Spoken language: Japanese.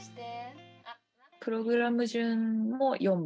プログラム順も４部。